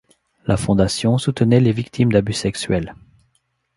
La fondation soutenait les victimes d'abus sexuels.